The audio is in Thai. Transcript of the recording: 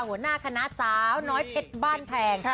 หัวหน้าคณะเซาน้อยเป็ดบ้านแพง